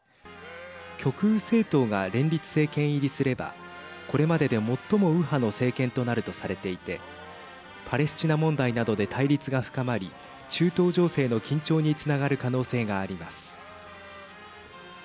極右政党が連立政権入りすればこれまでで最も右派の政権となるとされていてパレスチナ問題などで対立が深まり中東情勢の緊張につながる可能性があります。